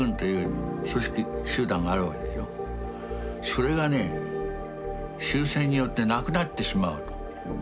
それがね終戦によってなくなってしまうと。